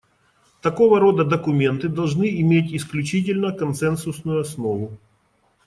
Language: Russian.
Такого рода документы должны иметь исключительно консенсусную основу.